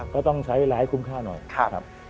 ก็ต้องใช้เวลาให้คุ้มค่าหน่อยครับ